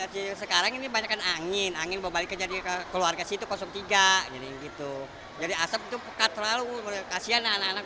tebal itu langsung sesak